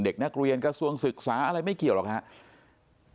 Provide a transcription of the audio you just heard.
เด็กนักเรียนกระทรวงศึกษาอะไรไม่เกี่ยวหรอกครับ